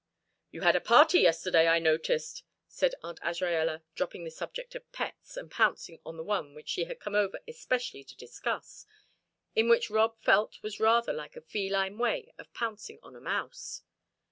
"You had a party yesterday, I noticed," said Aunt Azraella, dropping the subject of pets and pouncing on the one which she had come over especially to discuss, in what Rob felt was rather like a feline way of pouncing on a mouse.